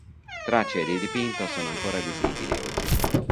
Tracce di dipinto sono ancora visibili oggi.